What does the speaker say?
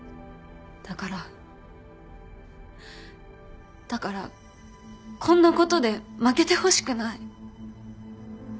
だからだからこんなことで負けてほしくない。